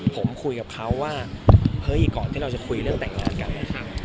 ผมคุยกับเขาว่าเฮ้ยก่อนที่เราจะคุยเรื่องแต่งงานกัน